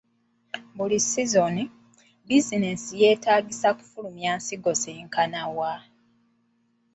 Buli sizoni, bizinensi yeetagisa kufulumya nsigo zenkana wa?